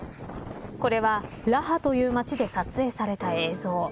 これはラハという町で撮影された映像。